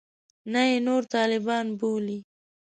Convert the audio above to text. نه یې نور طالبان بولي.